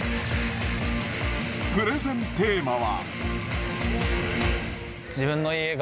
プレゼンテーマは？